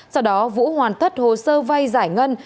sau đó vũ hoàn thất hồ sơ vay giải ngân